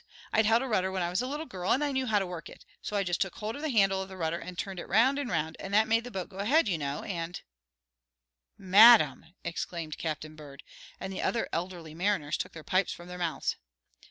I'd held a rudder when I was a little girl, and I knew how to work it. So I just took hold of the handle of the rudder and turned it round and round, and that made the boat go ahead, you know, and " "Madam!" exclaimed Captain Bird, and the other elderly mariners took their pipes from their mouths.